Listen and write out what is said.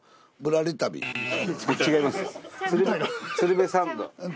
「鶴瓶サンド」